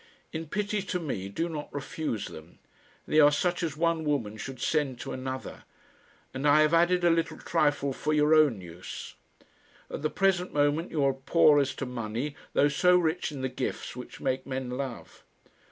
In pity to me do not refuse them. They are such as one woman should send to another. And I have added a little trifle for your own use. At the present moment you are poor as to money, though so rich in the gifts which make men love.